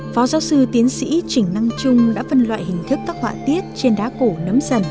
phó giáo sư tiến sĩ trình năng trung đã phân loại hình thức các họa tiết trên đá cổ nấm sần thành bảy nhóm